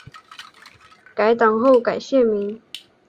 该党后改现名。